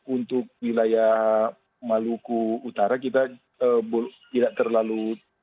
untuk wilayah maluku utara kita tidak terlalu tahu ibu